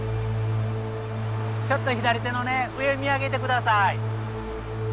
ちょっと左手のね上見上げて下さい。